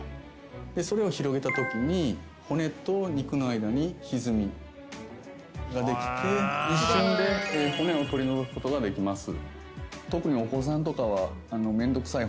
それを広げたときに骨と肉の間にひずみができて一瞬で骨を取り除くことができます。